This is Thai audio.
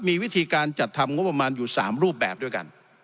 มีวิธีการจัดทำงบประมาณอยู่๓รูปแบบด้วยกัน